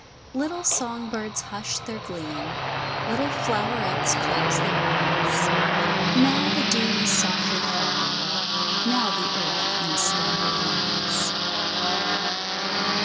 Little song birds hush their gleeing, Little flowerets close their eyes, Now the dew is softly falling, Now the earth in slumber lies.